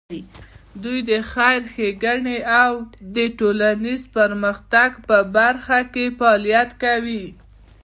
دوی د خیر ښېګڼې او د ټولنیز پرمختګ په برخه کې فعالیت کوي.